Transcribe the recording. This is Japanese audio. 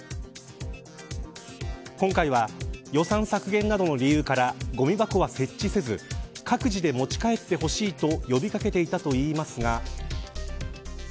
今回は予算削減などの理由からごみ箱は設置せず各自で持ち帰ってほしいと呼び掛けていたといいますが。